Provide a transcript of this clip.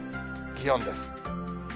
気温です。